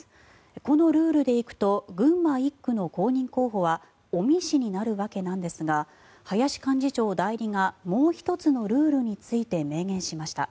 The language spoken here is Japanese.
このルールで行くと群馬１区の公認候補は尾身氏になるわけなんですが林幹事長代理がもう１つのルールについて明言しました。